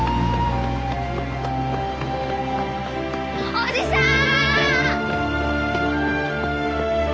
おじさん！